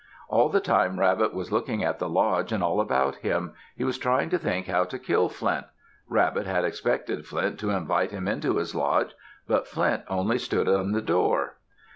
All the time Rabbit was looking at the lodge and all about him. He was trying to think how to kill Flint. Rabbit had expected Flint to invite him into his lodge. But Flint only stood in the door.